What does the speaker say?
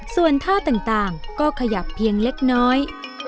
ส่วนท่าต่างก็ขยับเพียงเล็กน้อย